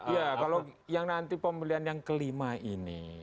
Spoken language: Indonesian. ya kalau yang nanti pembelian yang kelima ini